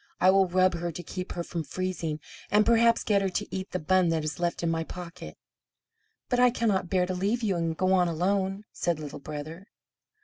I will rub her to keep her from freezing, and perhaps get her to eat the bun that is left in my pocket." "But I cannot bear to leave you, and go on alone," said Little Brother.